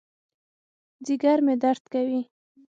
ځېګر مې درد کوي